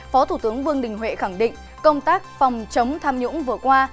phó thủ tướng vương đình huệ khẳng định công tác phòng chống tham nhũng vừa qua